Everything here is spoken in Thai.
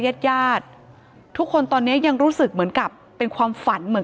ญาติญาติทุกคนตอนนี้ยังรู้สึกเหมือนกับเป็นความฝันเหมือน